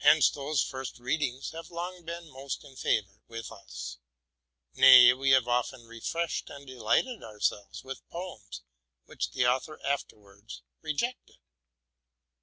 Hence those first readings have long been most in favor with us, —nay, we have often refreshed and delighted ourselves with poems which the author afterwards rejected.